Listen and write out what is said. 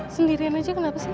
sendirian aja kenapa sih